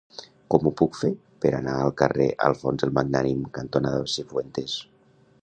Com ho puc fer per anar al carrer Alfons el Magnànim cantonada Cifuentes?